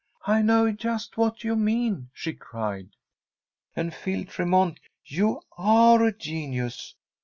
"I know just what you mean," she cried. "And Phil Tremont, you are a genius.